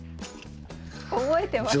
覚えてますか？